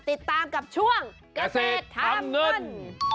ติดตามกับช่วงเกษตรทำเงิน